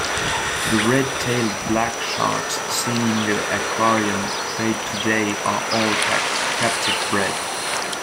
The red-tailed black sharks seen in the aquarium trade today are all captive bred.